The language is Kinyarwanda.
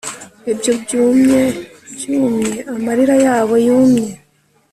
Ibyo byumye byumye amarira yabo yumunyu